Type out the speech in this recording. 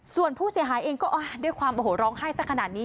ส่วนผู้เสียหายเองก็ด้วยความโอ้โหร้องไห้สักขนาดนี้